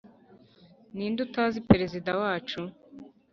ninde utazi perezida wacu